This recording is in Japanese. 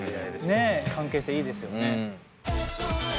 ねえ関係性いいですよね。